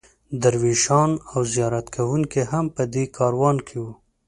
درویشان او زیارت کوونکي هم په دې کاروان کې وو.